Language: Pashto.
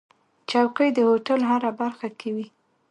چوکۍ د هوټل هره برخه کې وي.